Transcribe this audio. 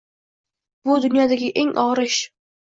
— Bu dunyodagi eng og‘ir ish.